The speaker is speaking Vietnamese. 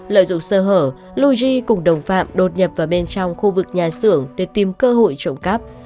lợi dụng sơ hở luj cùng đồng phạm đột nhập vào bên trong khu vực nhà xưởng để tìm cơ hội trộm cắp